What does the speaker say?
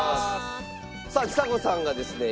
さあちさ子さんがですね